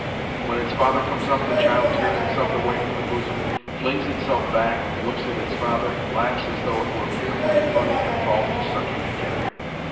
When its father comes up, the child tears itself away from the bosom, flings itself back, looks at its father, laughs, as though it were fearfully funny and falls to sucking again.